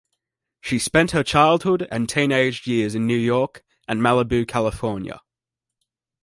She spent her childhood and teenaged years in New York, and Malibu, California.